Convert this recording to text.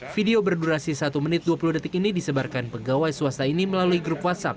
video berdurasi satu menit dua puluh detik ini disebarkan pegawai swasta ini melalui grup whatsapp